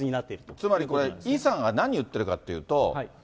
つまりこれ、イさんが何言ってるかというと。